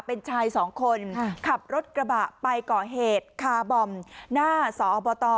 เป็นชายสองคนขับรถกระบะไปก่อเหตุคาร์บอมหน้าสอบต